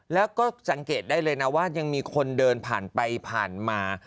แล้วก็สังเกตได้เลยนะว่ายังมีคนเดินผ่านไปผ่านมา